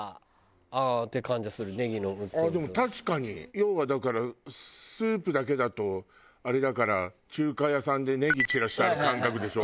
要はだからスープだけだとあれだから中華屋さんでネギ散らしてある感覚でしょ？